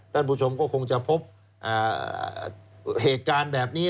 ท่านผู้ชมก็คงจะพบเหตุการณ์แบบนี้